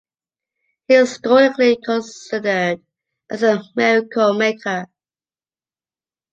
He is historically considered as a miracle maker.